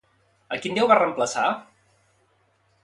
A quin déu va reemplaçar?